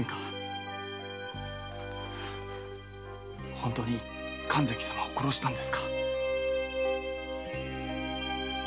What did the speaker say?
本当に神崎様を殺したんですか？